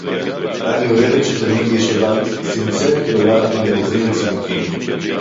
אני אוהבת שתמיד יש בבית צנצנת גדולה עם אגוזים וצימוקים.